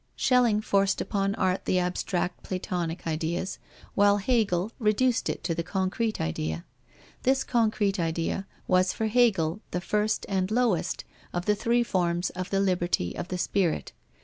Schelling forced upon art the abstract Platonic ideas, while Hegel reduced it to the concrete idea. This concrete idea was for Hegel the first and lowest of the three forms of the liberty of the spirit.